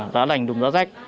giá lành đùm giá rách